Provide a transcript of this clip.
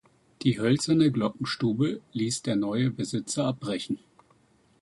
Die hölzerne Glockenstube ließ der neue Besitzer abbrechen.